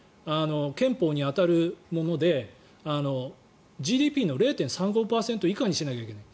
憲法に当たるものでＧＤＰの０．３５％以下にしないといけない。